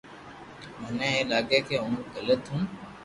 مني اي لاگي ڪي ھون گلت ھون